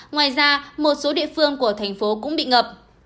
ngoài ra một số địa phương của thành phố cũng bị ngập